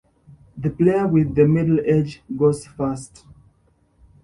The player with the middle age goes first.